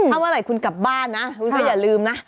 ถ้าเมื่อไหร่คุณกลับบ้านนะคุณก็อย่าลืมนะ